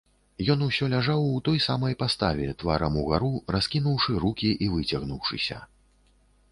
Ён усё ляжаў у той самай паставе, тварам угару, раскінуўшы рукі і выцягнуўшыся.